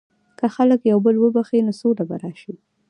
که خلک یو بل وبخښي، نو سوله به راشي.